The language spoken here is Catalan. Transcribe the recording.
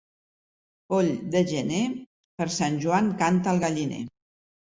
Poll de gener, per Sant Joan canta al galliner.